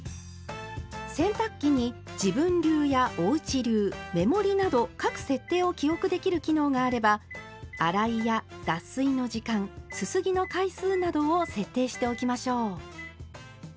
洗濯機に「自分流」や「おうち流」「メモリー」など各設定を記憶できる機能があれば洗いや脱水の時間すすぎの回数などを設定しておきましょう。